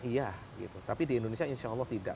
iya gitu tapi di indonesia insya allah tidak